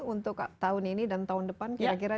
untuk tahun ini dan tahun depan kira kira